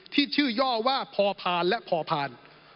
ที่ชื่อย่อว่าพอพานและพอผ่าน